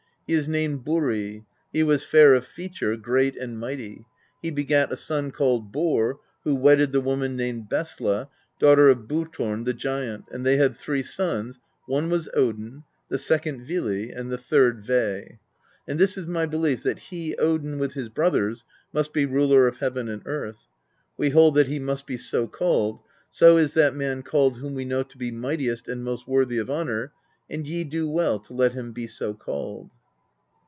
He is named Buri: he was fair of feature, great and mighty. He begat a son called Borr, who wedded the woman named Bestla, daughter of Bolthorn the giant; and they had three sons: one was Odin, the second Vili, the third Ve. And this is my belief, that he, Odin, with his brothers, must be ruler of heaven and earth; we hold that he must be so called; so is that man called whom we know to be mightiest and most worthy of honor, and ye do well to let him be so called."